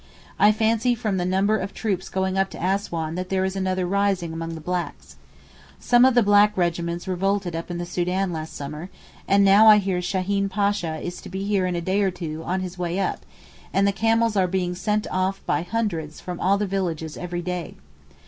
I fancy from the number of troops going up to Assouan that there is another rising among the blacks. Some of the black regiments revolted up in the Soudan last summer, and now I hear Shaheen Pasha is to be here in a day or two on his way up, and the camels are being sent off by hundreds from all the villages every day.